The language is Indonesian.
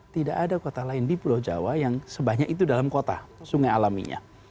tidak ada kota lain di pulau jawa yang sebanyak itu dalam kota sungai alaminya